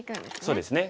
そうですね。